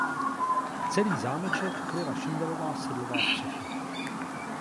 Celý zámeček kryla šindelová sedlová střecha.